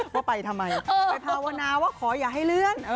ว่าไปทำไมไปภาวนาว่าขออย่าให้เลื่อน